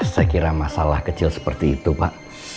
saya kira masalah kecil seperti itu pak